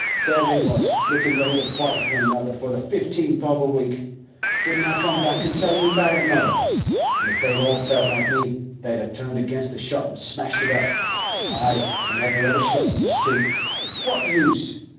There they was, lookin' ready to fight with one another for the fifteen bob a week. Didn't I come back and tell you about it, mother? An' if they'd all felt like me, they'd a turned against the shop an' smashed it up—ay, an' every other shop in the street! What use?